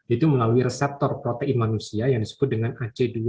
itu melalui reseptor protein manusia yang disebut dengan ac dua